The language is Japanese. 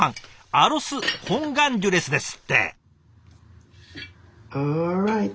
アロス・コン・ガンデュレスですって。